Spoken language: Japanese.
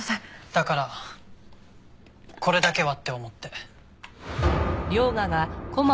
だからこれだけはって思って。